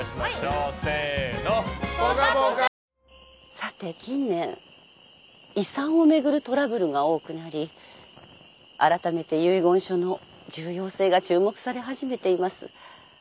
さて近年遺産をめぐるトラブルが多くなりあらためて遺言書の重要性が注目され始めています。